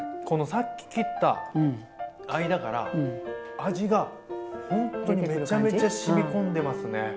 このさっき切った間から味がほんとにめちゃめちゃしみ込んでますね。